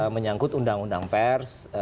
menyangkut undang undang pers